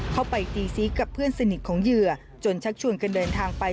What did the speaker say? เข้าไปตีซีกับเพื่อนสนิทของเหยื่อจนชักชวนกันเดินทางไป